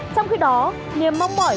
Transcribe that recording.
trong khi đó niềm mong mỏi